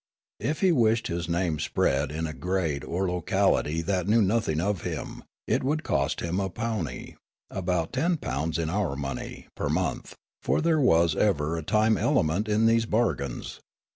If he wished his name spread in a grade or locality that knew nothing of him, it would cost him a pownee, about ten pounds in our mone)', per month ; for there was ever a time element in these bargains.